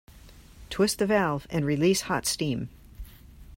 Twist the valve and release hot steam.